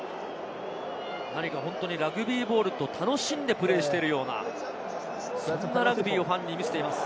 ラグビーボールと楽しんでプレーしているような、そんなラグビーをファンに見せています。